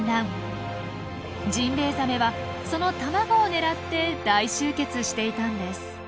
ジンベエザメはその卵を狙って大集結していたんです。